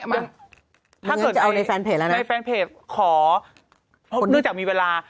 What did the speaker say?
ถ้าเกิดจะเอาในแฟนเพจแล้วนะในแฟนเพจขอเนื่องจากมีเวลา